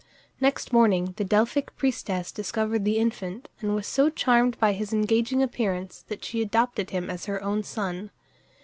Next morning the Delphic priestess discovered the infant, and was so charmed by his engaging appearance that she adopted him as her own son.